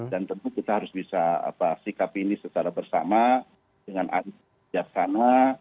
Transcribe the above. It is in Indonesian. dan tentu kita harus bisa sikap ini secara bersama dengan adik adik di sana